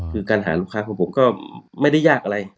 คือการหาลูกค้าของผมก็ไม่ได้ยากอะไร